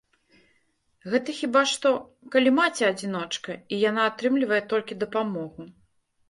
Гэта хіба што, калі маці-адзіночка, і яна атрымлівае толькі дапамогу.